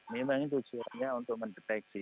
memang ini tujuannya untuk mendeteksi